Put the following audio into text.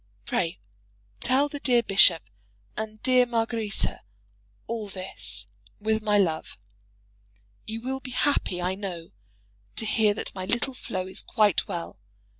Pray tell the dear bishop and dear Margaretta all this, with my love. You will be happy, I know, to hear that my little Flo is quite well.